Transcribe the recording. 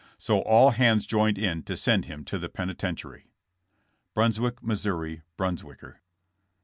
So all hands joined in to send him to the penitentiary.'^— Brunswick (Mo.) Bruns wicker.